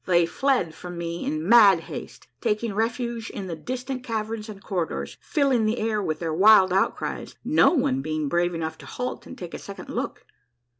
They fled from me in mad haste, taking refuge in the distant caverns and cor ridors, filling the air with their wild outcries, no one being brave enough to halt and take a second look.